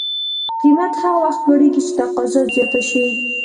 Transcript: قیمت هغه وخت لوړېږي چې تقاضا زیاته شي.